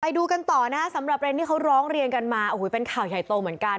ดูกันต่อนะสำหรับประเด็นที่เขาร้องเรียนกันมาโอ้โหเป็นข่าวใหญ่โตเหมือนกัน